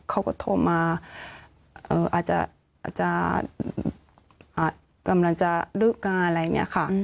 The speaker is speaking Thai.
เขาก็โทรมาอาจจะกำลังจะเลิกงานอะไรอย่างนี้ค่ะ